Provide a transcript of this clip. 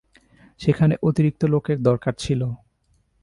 সেখানে অতিরিক্ত লোকের দরকার ছিল।